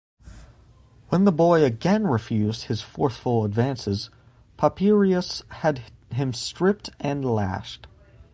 When the boy again refused his forceful advances, Papirius had him stripped and lashed.